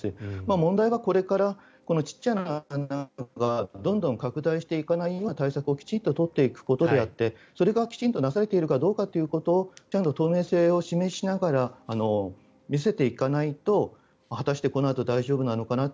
問題はこれから小さな穴がどんどん拡大していかないようにきちんと取っていくことであってそれがきちんとなされているかどうか透明性を示しながら見せていかないと果たしてこのあと大丈夫なのかなと。